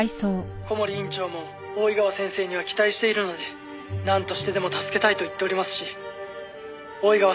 「小森院長も大井川先生には期待しているのでなんとしてでも助けたいと言っておりますし大井川